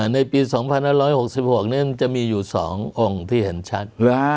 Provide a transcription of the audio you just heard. ในปี๒๕๖๖นั้นจะมีอยู่๒องค์ที่เห็นชัด